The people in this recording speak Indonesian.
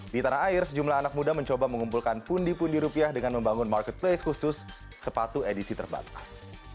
di tanah air sejumlah anak muda mencoba mengumpulkan pundi pundi rupiah dengan membangun marketplace khusus sepatu edisi terbatas